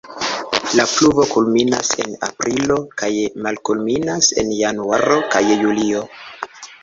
La pluvo kulminas en aprilo kaj malkulminas en januaro kaj julio.